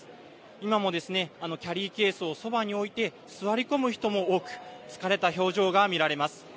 今もキャリーケースをそばに置いて座り込む人も多く疲れた表情が見られます。